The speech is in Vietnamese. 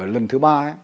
lần thứ ba